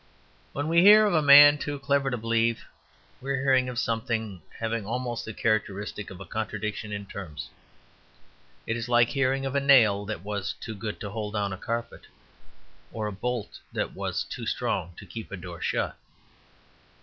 When we hear of a man too clever to believe, we are hearing of something having almost the character of a contradiction in terms. It is like hearing of a nail that was too good to hold down a carpet; or a bolt that was too strong to keep a door shut.